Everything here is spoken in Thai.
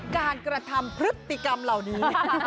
กระทำพฤติกรรมเหล่านี้